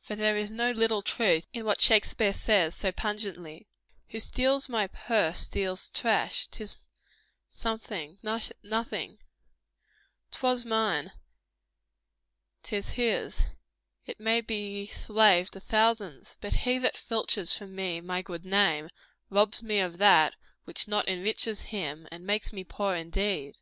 For there is no little truth in what Shakspeare says so pungently "Who steals my purse, steals trash; 'tis something, nothing; 'Twas mine, 't is his, it may be slave to thousands: But he that filches from me my good name, Robs me of that which not enriches him, And makes me poor indeed."